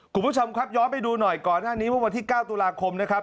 คุณผู้ชมครับย้อนไปดูหน่อยก่อนหน้านี้เมื่อวันที่๙ตุลาคมนะครับ